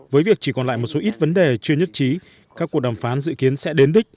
với việc chỉ còn lại một số ít vấn đề chưa nhất trí các cuộc đàm phán dự kiến sẽ đến đích